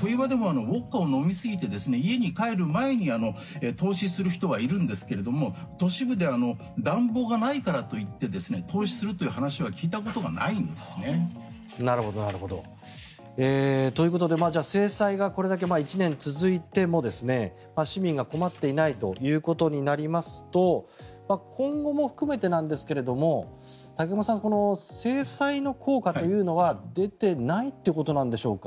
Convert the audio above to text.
冬場でもウォッカを飲みすぎて家に帰る前に凍死する人はいるんですが都市部では暖房がないからといって凍死するという話は聞いたことがないんですね。ということで制裁がこれだけ１年続いても市民が困っていないということになりますと今後も含めて武隈さん、制裁の効果というのは出ていないということなんでしょうか？